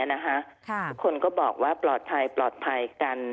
ทุกคนก็บอกว่าปลอดภัยปลอดภัยกัน